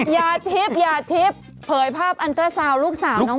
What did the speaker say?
อย่าทิบอย่าทิบเผยภาพอันตราสาวลูกสาวน้องเมีย